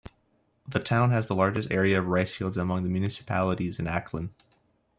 The town has the largest area of ricefields among the municipalities in Aklan.